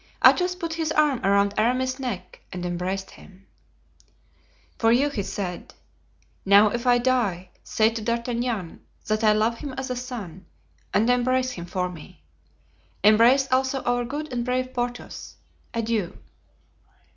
Athos put his arm around Aramis's neck and embraced him. "For you," he said. "Now if I die, say to D'Artagnan that I love him as a son, and embrace him for me. Embrace also our good and brave Porthos. Adieu."